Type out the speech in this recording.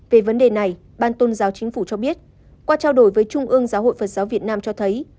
về vấn đề này ban tôn giáo chính phủ cho biết qua trao đổi với trung ương giáo hội phật giáo việt nam cho thấy